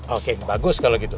oke bagus kalau gitu